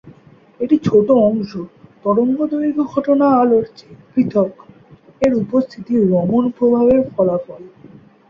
একটি ছোট অংশ, তরঙ্গদৈর্ঘ্য ঘটনা আলোর চেয়ে পৃথক; এর উপস্থিতি রমন প্রভাবের ফলাফল।